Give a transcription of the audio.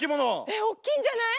えっ大きいんじゃない？